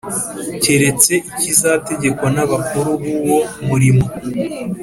Keretse ikizategekwa n abakuru b uwo murimo